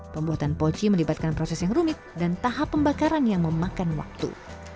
pembuatan poci melibatkan proses yang rumit dan tahap pembakaran yang memakan waktu